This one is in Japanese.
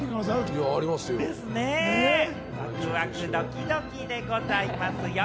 ワクワク、ドキドキでございますよ。